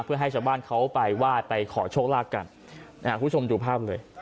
เพื่อให้จับบ้านเขาไปวาดไปขอโชคลาภกันอ่าคุณชมดูภาพเลย